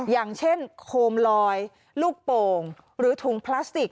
อย่างเช่นโคมลอยลูกโป่งหรือถุงพลาสติก